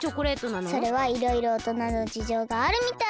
それはいろいろおとなのじじょうがあるみたい！